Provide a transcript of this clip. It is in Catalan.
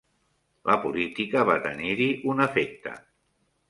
La política va tenir-hi un efecte.